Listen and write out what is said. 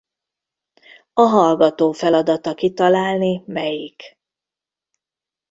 A hallgató feladata kitalálni melyik.